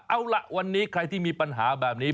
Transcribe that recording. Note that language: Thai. เอาล่ะวันนี้ใครที่มีปัญหาแบบนี้